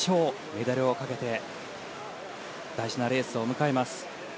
メダルをかけて大事なレースを迎えます。